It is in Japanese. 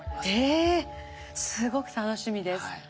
えっすごく楽しみです。